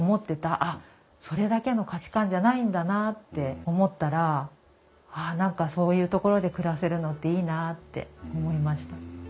あっそれだけの価値観じゃないんだなって思ったらああ何かそういうところで暮らせるのっていいなって思いました。